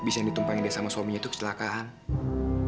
bisa ditumpahin deh sama suaminya tuh kecelakaan